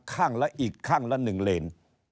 ข้างละอีกข้างละ๑เลน